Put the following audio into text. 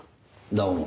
どうも。